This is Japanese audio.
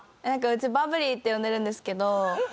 なんかうちバブリーって呼んでるんですけど。